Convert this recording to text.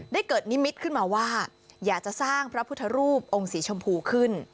เกิดนิมิตขึ้นมาว่าอยากจะสร้างพระพุทธรูปองค์สีชมพูขึ้น